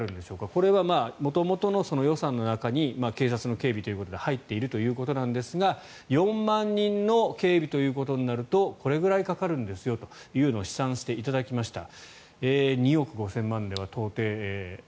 これは元々の予算の中に警察の警備ということで入っているということなんですが４万人の警備ということになるとこれぐらいかかるんですよというのを試算していただきました。